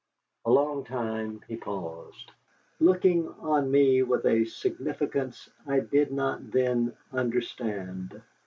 A long time he paused, looking on me with a significance I did not then understand.